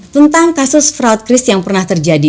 tentang kasus fraud crist yang pernah terjadi